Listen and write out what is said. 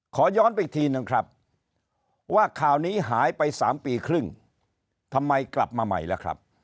ขอย้อนไปอีกทีนึงครับว่าข่าวนี้หายไป๓ปีครึ่งทำไมกลับมาใหม่ล่ะครับ